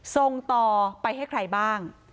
ส่งต่อไปให้ใครบ้าง